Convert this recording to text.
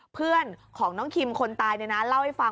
เพื่อนของน้องคิมคนตายเล่าให้ฟัง